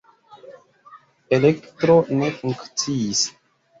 Elektro ne funkciis.